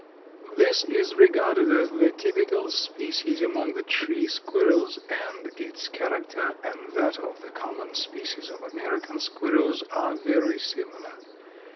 This is regarded as the typical species among the tree squirrels, and its character and that of the common species of American squirrels are very similar.